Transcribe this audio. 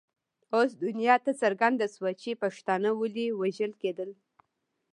اوس دنیا ته څرګنده شوه چې پښتانه ولې وژل کېدل.